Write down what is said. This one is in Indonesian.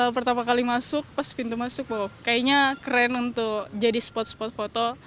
pertama kali masuk pas pintu masuk kayaknya keren untuk jadi spot spot foto